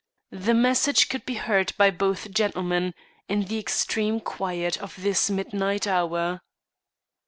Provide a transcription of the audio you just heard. The message could be heard by both gentlemen, in the extreme quiet of this midnight hour.